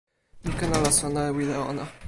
mi ken ala sona e wile ona.